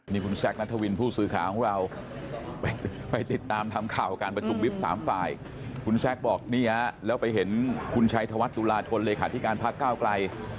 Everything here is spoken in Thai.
นี่คุณแซคนัทวินผู้สื่อข่าวของเราไปติดตามทำข่าวการประชุมวิบ๓ฝ่ายคุณแซคบอกนี่ฮะแล้วไปเห็นคุณชัยธวัฒนตุลาธนเลขาธิการพักก้าวไกล